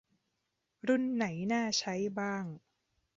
รุ่นไหนน่าใช้บ้าง